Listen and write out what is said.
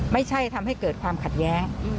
ไม่ใช่ทำให้เกิดความขัดแย้ง